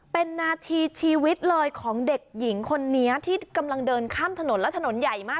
เป็นนาทีชีวิตเลยของเด็กหญิงคนนี้ที่กำลังเดินข้ามถนนและถนนใหญ่มาก